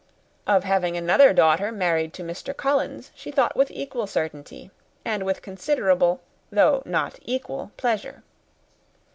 Of having another daughter married to Mr. Collins she thought with equal certainty, and with considerable, though not equal, pleasure.